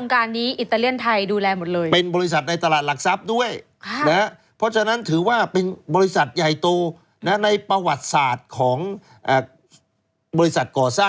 ๓โครงการนี้อิตาเลียนไทยรับดูแลหมดเลย